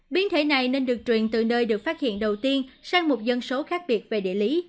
biến thể này nên được truyền từ nơi được phát hiện đầu tiên sang một dân số khác biệt về địa lý